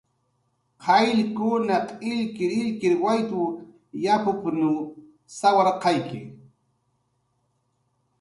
"Qayllkunaq illkirillkir waytw yapup""n sawarqayki."